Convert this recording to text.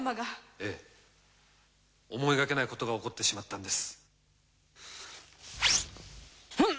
えぇ思いがけないことが起こってしまったんです。